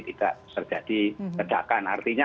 tidak terjadi kedakan artinya